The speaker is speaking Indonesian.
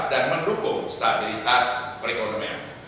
dan mendukung stabilitas perekonomian